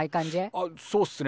あっそうっすね。